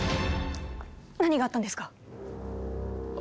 何があったんですか？